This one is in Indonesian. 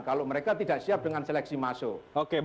kalau mereka tidak siap dengan seleksi masuk